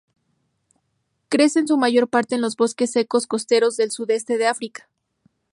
Crece en su mayor parte en los bosques secos costeros del sudeste de África.